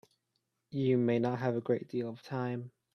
You may not have a great deal of time.